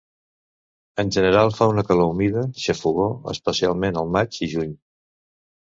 En general fa una calor humida, xafogor, especialment el maig i juny.